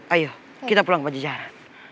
ayo kita pulang ke jejara